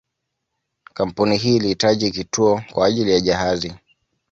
Kampuni hii ilihitaji kituo kwa ajili ya jahazi